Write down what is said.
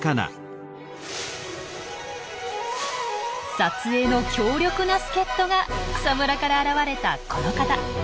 撮影の強力な助っ人が草むらから現れたこの方。